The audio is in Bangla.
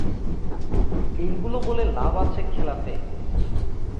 এইগুলো বলে লাভ আছে খেলাতে।